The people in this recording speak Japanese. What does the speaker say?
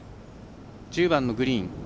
１０番のグリーン。